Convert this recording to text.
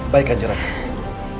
baik kan jem keratu